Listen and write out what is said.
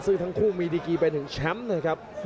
ซึ่งทั้งคู่มีดีกีไปถึงแชมป์นะครับ